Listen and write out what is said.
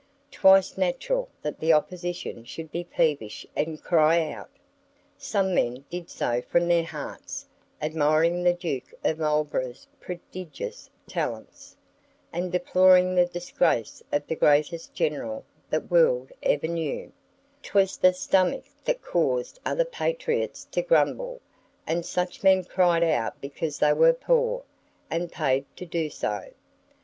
'Twas natural that the opposition should be peevish and cry out: some men did so from their hearts, admiring the Duke of Marlborough's prodigious talents, and deploring the disgrace of the greatest general the world ever knew: 'twas the stomach that caused other patriots to grumble, and such men cried out because they were poor, and paid to do so.